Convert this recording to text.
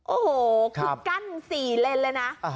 โอ้โหคือกั้น๔เลนเลยนะ